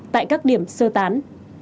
tại các điểm sơ tán